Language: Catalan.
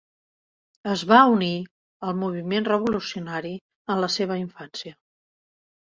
Es va unir al moviment revolucionari en la seva infància.